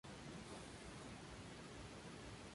Está conformado por la Corte Suprema de Justicia.